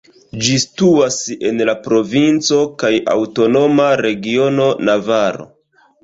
Ĝi situas en la provinco kaj aŭtonoma regiono Navaro.